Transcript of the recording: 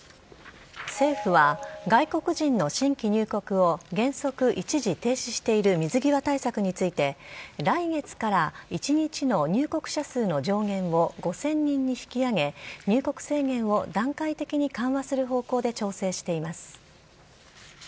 政府は、外国人の新規入国を原則一時停止している水際対策について、来月から１日の入国者数の上限を５０００人に引き上げ、入国制限を段階的に緩和する方向で調整しています。